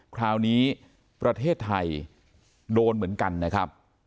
คราวนี้ประเทศไทยโดนเหมือนกันนะครับ